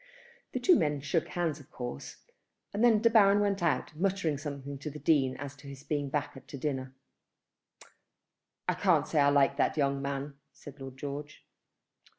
The two men shook hands of course, and then De Baron went out, muttering something to the Dean as to his being back to dinner. "I can't say I like that young man," said Lord George.